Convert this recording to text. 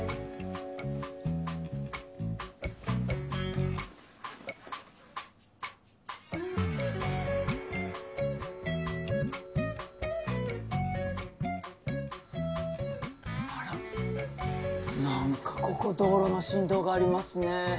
ピッピッピッあら何かここ道路の振動がありますね。